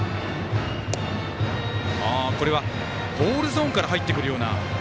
これは、ボールゾーンから入ってくるような。